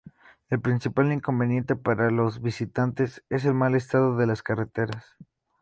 El principal inconveniente para los visitantes es el mal estado de las carreteras.